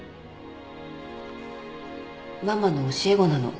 ママの教え子なの。